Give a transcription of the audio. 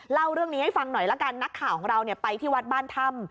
เล่าเรื่องนี้ให้ฟังหน่อยละกันนักข่าวของเราไปที่วัดบ้านถ้ำ